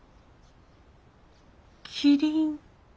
キリン？